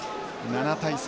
７対３。